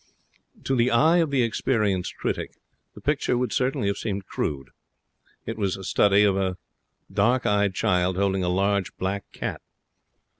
To the eye of an experienced critic the picture would certainly have seemed crude. It was a study of a dark eyed child holding a large black cat.